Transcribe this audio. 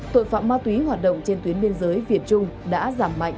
tội phạm ma túy hoạt động trên tuyến biên giới việt trung đã giảm mạnh